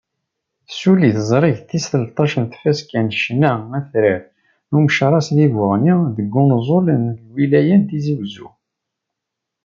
Tessuli teẓrigt tis tleṭṭac n tfaska n ccna atrar n Umecras di Buɣni deg unẓul n lwilaya n Tizi Uzzu.